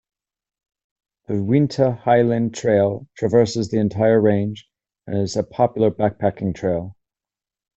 The Uinta Highline Trail traverses the entire range and is a popular backpacking trail.